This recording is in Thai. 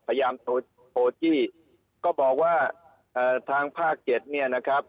พยายามโทรจี้ก็บอกว่าเอ่อทางภาค๗เนี่ยนะครับ